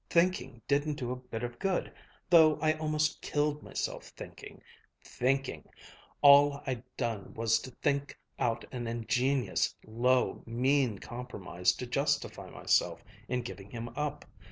Thinking didn't do a bit of good, though I almost killed myself thinking thinking All I'd done was to think out an ingenious, low, mean compromise to justify myself in giving him up.